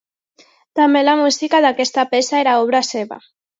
També la música d'aquesta peça era obra seva.